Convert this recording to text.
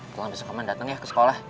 pulang besok paman dateng ya ke sekolah